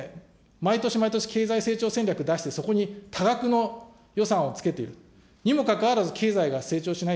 毎年毎年、経済成長戦略出して、そこに多額の予算をつけている、にもかかわらず、経済が成長しない。